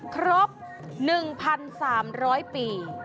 ครบ๑๓๐๐ปี